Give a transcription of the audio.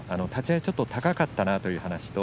立ち合いちょっと高かったな。